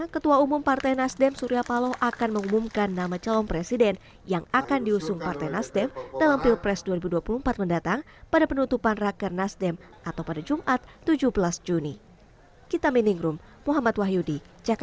ketua umum partai nasdem surya paloh akan mengumumkan nama calon presiden yang akan diusung partai nasdem dalam pilpres dua ribu dua puluh empat mendatang pada penutupan raker nasdem atau pada jumat tujuh belas juni